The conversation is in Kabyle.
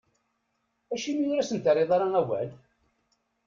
Acimi ur asen-terriḍ ara awal?